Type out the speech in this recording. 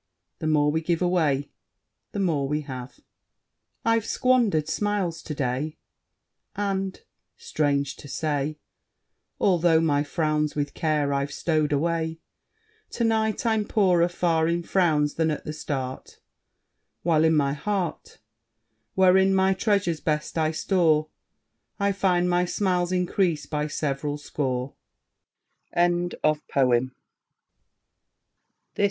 The more we give away, the more we have. I've squandered smiles to day, And, strange to say, Altho' my frowns with care I've stowed away, To night I'm poorer far in frowns than at the start; While in my heart, Wherein my treasures best I store, I find my smiles increased by several score. _John Kendrick Bangs.